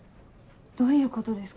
どういうことですか？